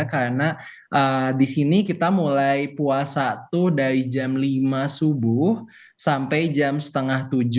karena di sini kita mulai puasa tuh dari jam lima subuh sampai jam setengah tujuh